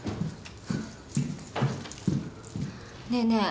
ねえねえ